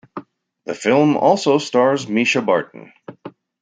The film also stars Mischa Barton.